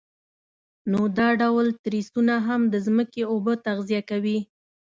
نو دا ډول تریسونه هم د ځمکې اوبه تغذیه کوي.